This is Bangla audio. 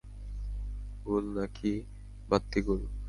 গুল,, নাকি বাত্তি-গুল?